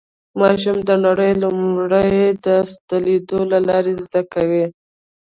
ماشوم د نړۍ لومړی درس د لیدلو له لارې زده کوي